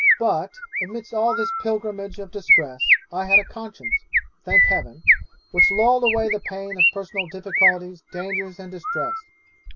'But, amidst all this pilgrimage of distress, I had a conscience, thank heaven, which lulled away the pain of personal difficulties, dangers, and distress.